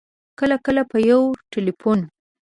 کله کله په یو ټېلفون